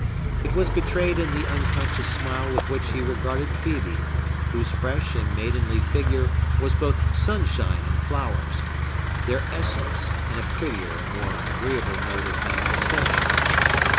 It was betrayed in the unconscious smile with which he regarded Phœbe, whose fresh and maidenly figure was both sunshine and flowers,—their essence, in a prettier and more agreeable mode of manifestation.